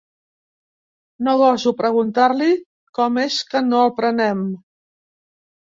No goso preguntar-li com és que no el prenem.